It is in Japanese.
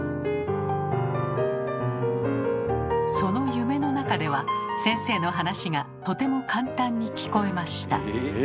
その夢の中では先生の話がとても簡単に聞こえました。